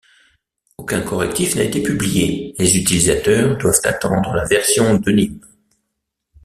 Aucun correctif n'a été publié, les utilisateurs doivent attendre la version Denim.